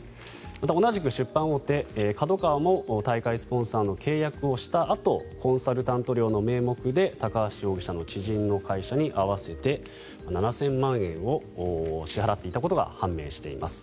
また同じく出版大手ＫＡＤＯＫＡＷＡも大会スポンサーの契約をしたあとコンサルタント料の名目で高橋容疑者の知人の会社に合わせて７０００万円を支払っていたことが判明しています。